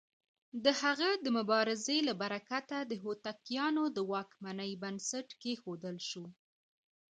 د هغه د مبارزې له برکته د هوتکيانو د واکمنۍ بنسټ کېښودل شو.